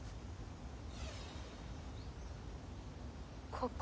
ここ。